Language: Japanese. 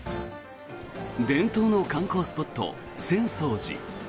伝統の観光スポット、浅草寺。